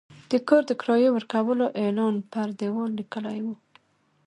د کور د کرایې ورکولو اعلان پر دېوال لګېدلی و.